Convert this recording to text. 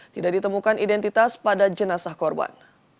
tidak ditemukan identitas pada jenazah korban